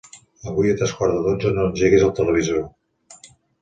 Avui a tres quarts de dotze no engeguis el televisor.